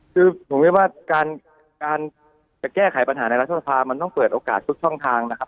คือผมคิดว่าการจะแก้ไขปัญหาในรัฐสภามันต้องเปิดโอกาสทุกช่องทางนะครับ